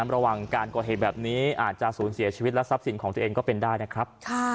ระหว่างการก่อเหตุแบบนี้อาจจะสูญเสียชีวิตและทรัพย์สินของตัวเองก็เป็นได้นะครับ